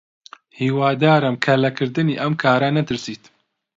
هیوادارم کە لە کردنی ئەو کارە نەترسیت.